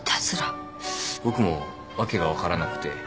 僕も訳が分からなくて。